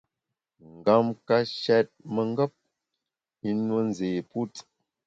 Ngam ka shèt mengap, i nue nzé put.